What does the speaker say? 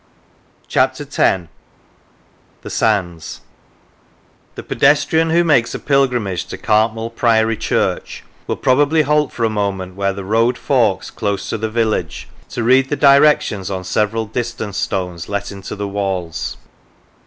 152 CHAPTER X THE SANDS THE pedestrian who makes a pilgrimage to Cartmel Priory Church will probably halt for a moment where the road forks close to the village, to read the directions on several distance stones let into the walls.